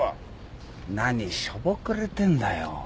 何しょぼくれてんだよ。